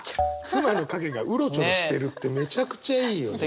妻の影がうろちょろしてるってめちゃくちゃいいよね。